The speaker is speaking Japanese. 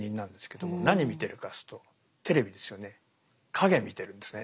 影見てるんですね。